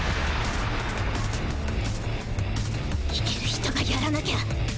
行ける人がやらなきゃ！